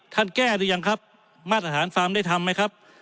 แก้หรือยังครับมาตรฐานฟาร์มได้ทำไหมครับ